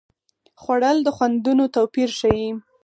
خوړل د خوندونو توپیر ښيي